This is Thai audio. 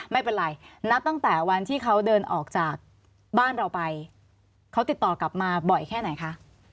ไม่เป็นไรนับตั้งแต่วันที่เขาเดินออกจากบ้านเราไปเขาติดต่อกลับมาบ่อยแค่ไหนคะ